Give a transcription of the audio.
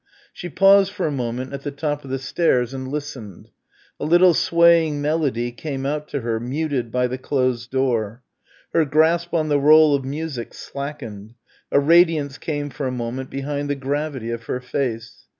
She paused for a moment at the top of the stairs and listened. A little swaying melody came out to her, muted by the closed door. Her grasp on the roll of music slackened. A radiance came for a moment behind the gravity of her face.